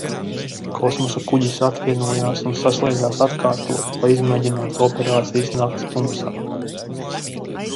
Kosmosa kuģis atvienojās un saslēdzās atkārtoti, lai izmēģinātu operācijas nakts tumsā.